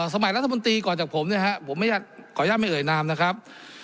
สมัยรัฐมนตรีก่อนจากผมเนี่ยฮะผมขออนุญาตไม่เอ่ยนามนะครับ